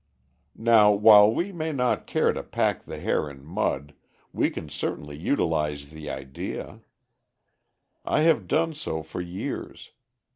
Now, while we may not care to pack the hair in mud, we can certainly utilize the idea. I have done so for years.